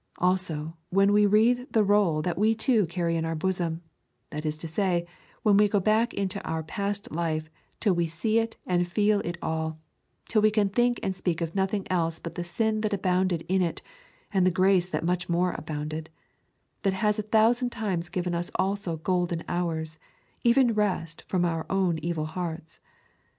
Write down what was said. Also, when we read the roll that we too carry in our bosom that is to say, when we go back into our past life till we see it and feel it all, and till we can think and speak of nothing else but the sin that abounded in it and the grace that much more abounded, that has a thousand times given us also golden hours, even rest from our own evil hearts.